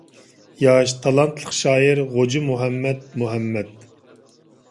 ياش، تالانتلىق شائىر غوجىمۇھەممەد مۇھەممەد